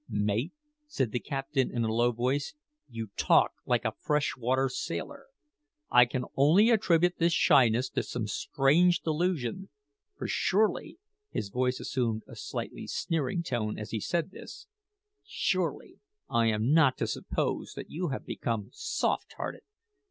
"Mate," said the captain in a low voice, "you talk like a fresh water sailor. I can only attribute this shyness to some strange delusion, for surely," his voice assumed a slightly sneering tone as he said this "surely I am not to suppose that you have become soft hearted!